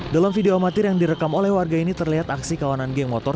dalam video amatir yang direkam oleh warga ini terlihat aksi kawanan geng motor